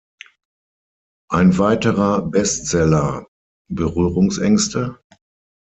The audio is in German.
Ein weiterer Bestseller, "Berührungsängste?